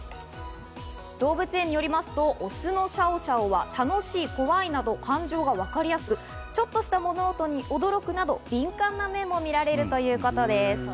動物園によりますと、オスのシャオシャオは楽しい、怖いなど感情がわかりやすく、ちょっとした物音に驚くなど敏感な面も見られるということです。